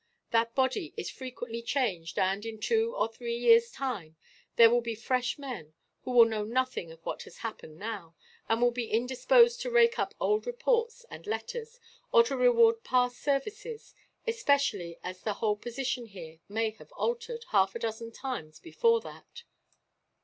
That body is frequently changed and, in two or three years' time, there will be fresh men, who will know nothing of what has happened now, and be indisposed to rake up old reports and letters, or to reward past services; especially as the whole position here may have altered, half a dozen times, before that."